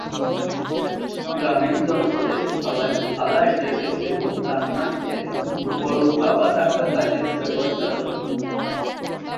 গ্রামীণ জনপদে খাবারের থালা হিসেবে এবং রান্না শেষে গরম খাবার রাখার কাজে এটি ব্যবহার করা হত।